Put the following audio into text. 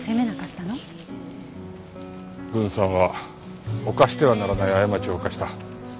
郡さんは犯してはならない過ちを犯した。